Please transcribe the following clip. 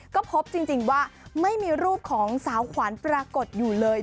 ก็พบจริงว่าไม่มีรูปของสาวขวัญปรากฏอยู่เลย